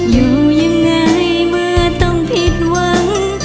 อยู่ยังไงเมื่อต้องผิดหวัง